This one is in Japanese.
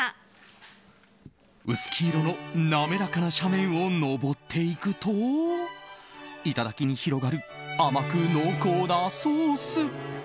薄黄色のなめらかな斜面を登っていくと頂に広がる甘く濃厚なソース。